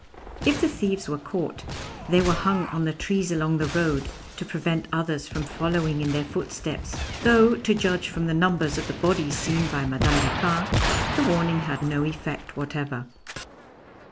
If the thieves were caught, they were hung on the trees along the road, to prevent others from following in their footsteps, though, to judge from the numbers of the bodies seen by Madame Dupin, the warning had no effect whatever.